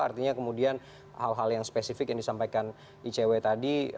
artinya kemudian hal hal yang spesifik yang disampaikan icw tadi